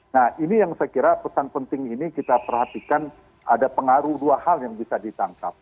nah ini yang saya kira pesan penting ini kita perhatikan ada pengaruh dua hal yang bisa ditangkap